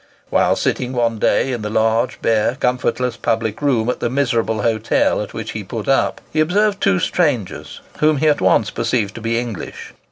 While sitting one day in the large, bare, comfortless public room at the miserable hotel at which he put up, he observed two strangers, whom he at once perceived to be English.